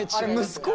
息子？